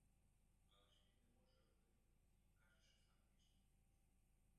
Але ж він не може робити в гурті — каже, що сам більше зробиш.